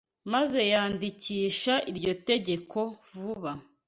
maze yandikisha iryo tegeko vuba